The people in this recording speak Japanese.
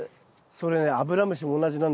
それねアブラムシも同じなんですよ。